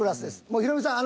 もうヒロミさん